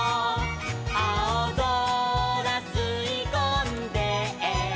「あおぞらすいこんで」